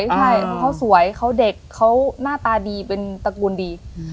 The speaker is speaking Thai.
ใช่เพราะเขาสวยเขาเด็กเขาหน้าตาดีเป็นตระกูลดี